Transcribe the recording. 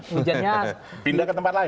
hujannya pindah ke tempat lain